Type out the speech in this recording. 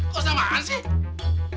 kok samaan sih